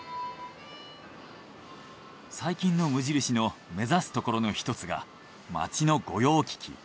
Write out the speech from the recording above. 最近の無印の目指すところの一つが街の御用聞き。